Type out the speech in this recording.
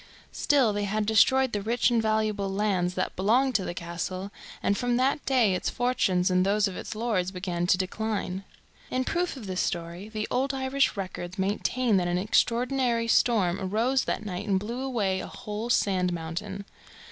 Still, they had destroyed the rich and valuable lands that belonged to the castle, and from that day its fortunes and those of its lords began to decline. In proof of this story the old Irish records maintain that an extraordinary storm arose that night and blew away a whole sand mountain.